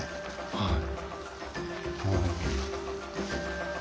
はい。